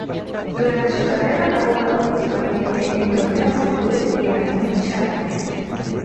Durante su carrera ha jugado principalmente en torneos Futures y en algunos Challengers.